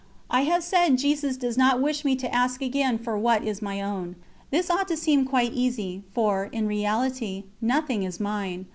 I have said Jesus does not wish me to ask again for what is my own. This ought to seem quite easy, for, in reality, nothing is mine.